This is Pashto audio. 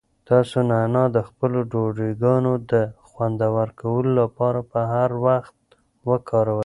تاسو نعناع د خپلو ډوډۍګانو د خوندور کولو لپاره په هر وخت وکاروئ.